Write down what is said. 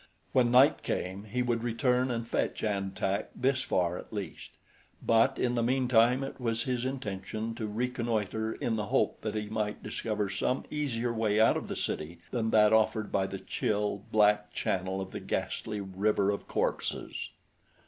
When night came, he would return and fetch An Tak this far at least; but in the meantime it was his intention to reconnoiter in the hope that he might discover some easier way out of the city than that offered by the chill, black channel of the ghastly river of corpses.